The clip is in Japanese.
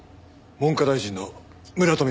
文科大臣の村富だ。